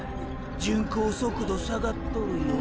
巡航速度下がっとるよ？